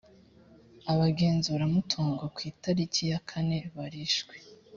abagenzuramutungo ku itariki yakane barishwe